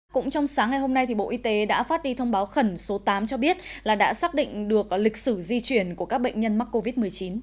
cũng trong sáng ngày hôm nay bộ y tế đã phát đi thông báo khẩn số tám cho biết là đã xác định được lịch sử di chuyển của các bệnh nhân mắc covid một mươi chín